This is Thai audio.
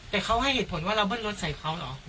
แต่เขาให้เหตุผลว่าเราเบิ้ลรถใส่เขาเหรอ